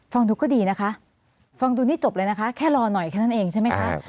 ฟังดูก็ดีนะคะฟังดูนี่จบเลยนะคะแค่รอหน่อยแค่นั้นเองใช่ไหมคะ